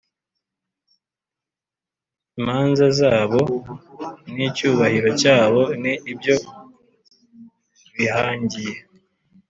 imanza zabo n’icyubahiro cyabo ni ibyo bīhangiye